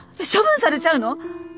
処分されちゃうの？